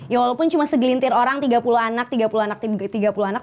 ya walaupun cuma segelintir orang tiga puluh anak tiga puluh anak tiga puluh anak